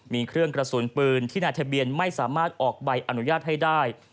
มีเครื่องกระสุนปืนที่นายทะเบียนไม่สามารถออกใบอนุญาตให้ได้